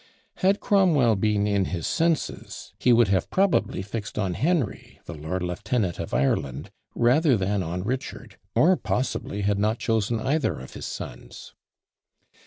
Had Cromwell been in his senses, he would have probably fixed on Henry, the lord lieutenant of Ireland, rather than on Richard, or possibly had not chosen either of his sons!